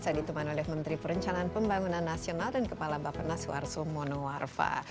saya ditu manwilief menteri perencanaan pembangunan nasional dan kepala bapak naswarso monowarfa